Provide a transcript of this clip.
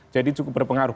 jadi cukup berpengaruh